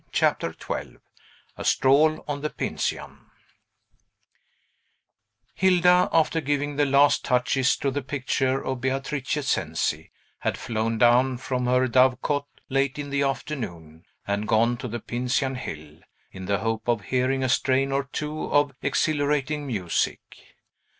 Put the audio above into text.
CHAPTER XII A STROLL ON THE PINCIAN Hilda, after giving the last touches to the picture of Beatrice Cenci, had flown down from her dove cote, late in the afternoon, and gone to the Pincian Hill, in the hope of hearing a strain or two of exhilarating music.